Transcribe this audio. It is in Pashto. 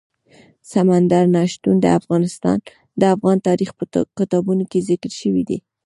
سمندر نه شتون د افغان تاریخ په کتابونو کې ذکر شوی دي.